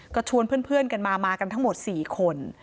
ก็ชวนเพื่อนกันมามากันทั้งหมด๔คน